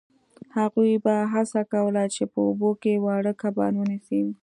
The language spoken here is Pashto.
هغوی به هڅه کوله چې په اوبو کې واړه کبان ونیسي